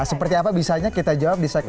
nah seperti apa bisanya kita jawab di s moses